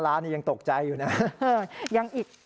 ๙๕ล้านยังตกใจอยู่นะคะ